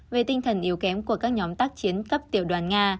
về tinh thần yếu kém của các nhóm tác chiến cấp tiểu đoàn nga